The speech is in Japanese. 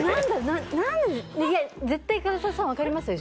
いや絶対唐沢さん分かりますよ。